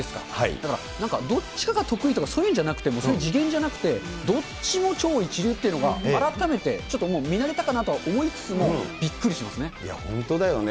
だからどっちかが得意とか、そういうんじゃなくて、もうそういう次元じゃなくて、どっちも超一流というのが改めてちょっともう、見慣れたかなとはいや、本当だよね。